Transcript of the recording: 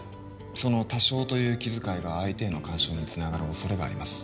その多少という気遣いが相手への干渉につながる恐れがあります